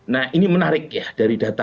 nah ini menarik ya dari data